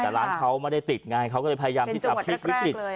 แต่ร้านเขาไม่ได้ติดไงเขาก็เลยพยายามที่จะพลิกวิกฤต